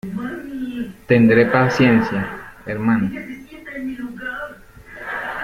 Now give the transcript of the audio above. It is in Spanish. tendré paciencia, hermana.